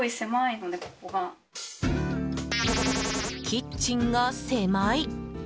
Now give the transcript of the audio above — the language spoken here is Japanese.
キッチンが狭い！